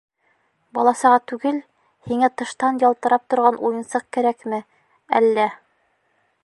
Бала-саға түгел, һиңә тыштан ялтырап торған уйынсыҡ кәрәкме, әллә...